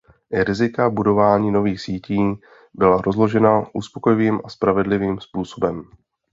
Rizika budování nových sítí byla rozložena uspokojivým a spravedlivým způsobem.